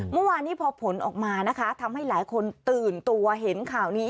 เมื่อวานนี้พอผลออกมานะคะทำให้หลายคนตื่นตัวเห็นข่าวนี้